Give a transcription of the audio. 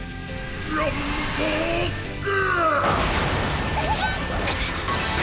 ランボーグ！